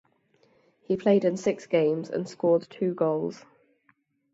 He played in six games and scored two goals.